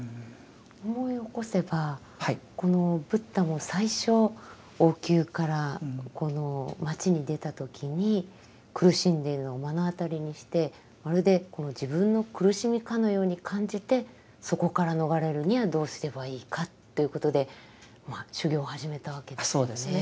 思い起こせばこのブッダも最初王宮から町に出た時に苦しんでいるのを目の当たりにしてまるで自分の苦しみかのように感じてそこから逃れるにはどうすればいいかということで修行を始めたわけですよね。